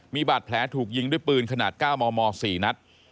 มีบาดแผลถูกยิงด้วยปืนขนาด๙มม๔นัด